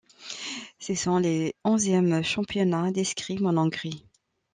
Ce sont les onzièmes championnats d'escrime en Hongrie.